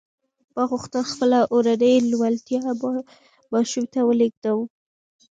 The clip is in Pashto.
ما غوښتل خپله اورنۍ لېوالتیا ماشوم ته ولېږدوم